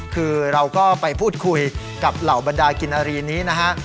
คือเราก็ไปพูดคุยกับเหล่าบรรดากินอารีนี้นะฮะ